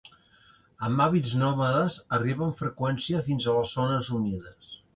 Amb hàbits nòmades, arriba amb freqüència fins a les zones humides.